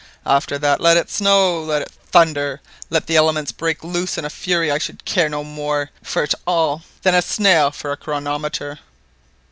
After that, let it snow, let it thunder, let the elements break loose in fury, I should care no more for it all than a snail for a chronometer."